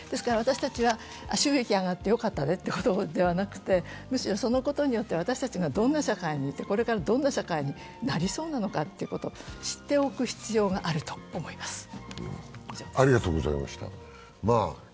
私たちは収益が上がってよかったねということではなくて、むしろそのことによって、私たちがどんな社会にいてこれからどんな社会になりそうなのかということを知っておく必要があります。